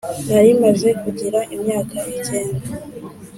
narimaze kugira imyaka icyenda.